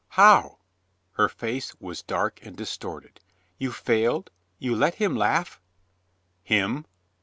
"How?" Her face was dark and distorted. "You failed? You've let him laugh?" "Him?"